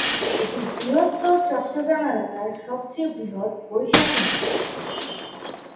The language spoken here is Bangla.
এটি বৃহত্তর চট্টগ্রাম এলাকার সবচেয়ে বৃহৎ বৈশাখী মেলা।